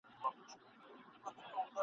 در نیژدې می که په مینه بې سببه بې پوښتنی ..